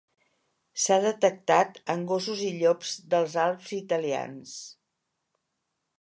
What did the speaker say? S'ha detectat en gossos i llops dels Alps italians.